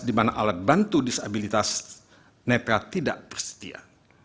di mana alat bantu disabilitas nepal tidak tersedia